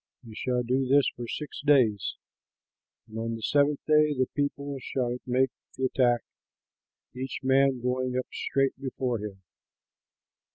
You shall do this for six days, and on the seventh day the people shall make the attack, each man going up straight before him."